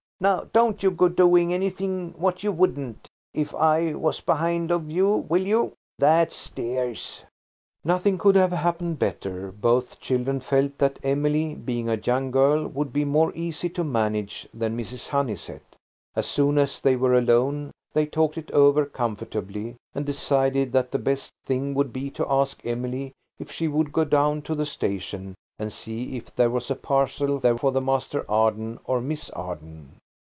Now don't you go doing anything what you wouldn't if I was behind of you, will you? That's dears." Nothing could have happened better. Both children felt that Emily, being a young girl, would be more easy to manage than Mrs. Honeysett. As soon as they were alone they talked it over comfortably, and decided that the best thing would be to ask Emily if she would go down to the station and see if there was a parcel there for Master Arden or Miss Arden.